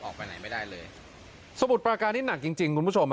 ออกไปไหนไม่ได้เลยสมุทรปราการนี่หนักจริงจริงคุณผู้ชม